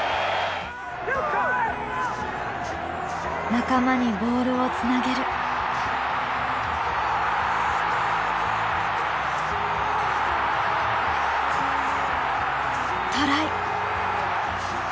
仲間にボールをつなげる。トライ！